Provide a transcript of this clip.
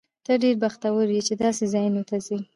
ته ډېر بختور یې، چې داسې ځایونو ته ځې.